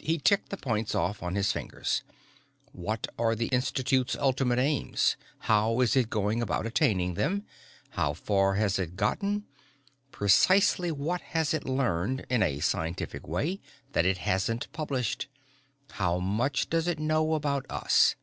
He ticked the points off on his fingers. "What are the Institute's ultimate aims? How is it going about attaining them? How far has it gotten? Precisely what has it learned, in a scientific way, that it hasn't published? How much does it know about us?"